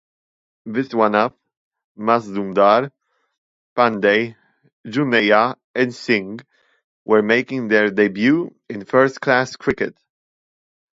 Viswanath, Mazumdar, Pandey, Juneja and Singh were making their debut in first class cricket.